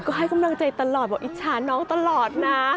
ก็ให้กำลังใจตลอดบอกอิจฉาน้องตลอดนะ